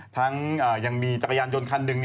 ทั้งยังมีจักรยานยนต์คันหนึ่ง